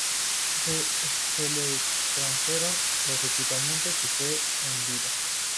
Se le extrajeron los equipamientos y fue hundido.